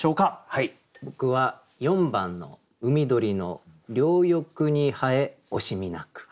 はい僕は４番の「海鳥の両翼に南風惜しみなく」。